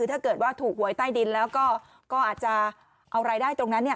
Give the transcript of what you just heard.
ถ้าเกิดว่าถูกหวยใต้ดินแล้วก็อาจจะเอารายได้ตรงนั้นเนี่ย